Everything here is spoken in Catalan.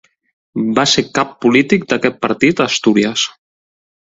Va ser cap polític d'aquest partit a Astúries.